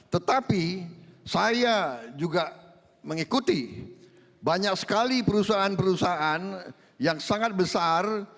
tetapi saya juga mengikuti banyak sekali perusahaan perusahaan yang sangat besar